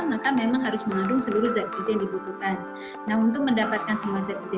maka memang harus mengandung seluruh zat gizi dibutuhkan namun tuh mendapatkan semua zat gizi